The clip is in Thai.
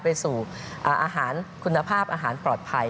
ไปสู่อาหารคุณภาพอาหารปลอดภัย